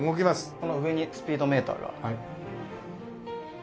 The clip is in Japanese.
この上にスピードメーターが。